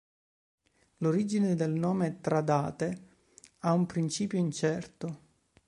L'origine del nome Tradate ha un principio incerto.